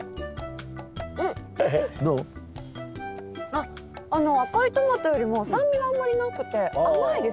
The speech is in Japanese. あっ赤いトマトよりも酸味があんまりなくて甘いですね。